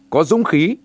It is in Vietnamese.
có dũng khí